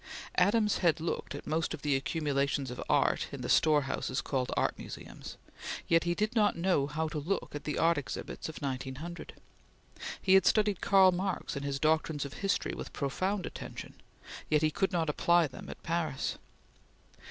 Adams had looked at most of the accumulations of art in the storehouses called Art Museums; yet he did not know how to look at the art exhibits of 1900. He had studied Karl Marx and his doctrines of history with profound attention, yet he could not apply them at Paris.